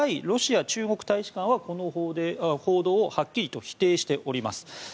ロシア中国大使館はこの報道をはっきりと否定しております。